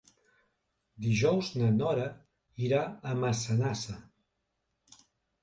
Dijous na Nora irà a Massanassa.